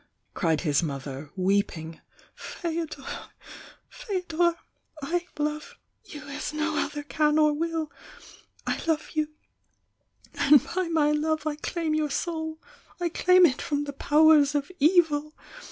cried his mother, weep ing. "Feodor, F^odor, 1 love you as no other can or wUl! I love you, and by my love I claim your soul! I claim it from the powers of evil!